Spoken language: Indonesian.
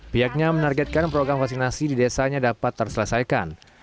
pihaknya menargetkan program vaksinasi di desanya dapat terselesaikan